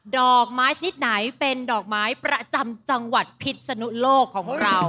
ดอกไม้ชนิดไหนเป็นดอกไม้ประจำจังหวัดพิษนุโลกของเรา